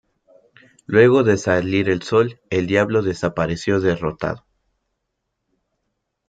Luego de salir el sol el diablo desapareció derrotado.